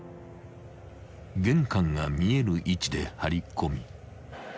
［玄関が見える位置で張り込み］